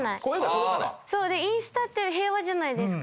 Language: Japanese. インスタ平和じゃないですか。